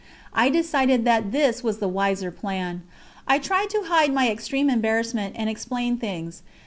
I decided that this was the wiser plan. I tried to hide my extreme embarrassment and explained things.